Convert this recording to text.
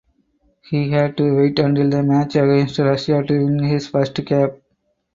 He had to wait until the match against Russia to win his first cap.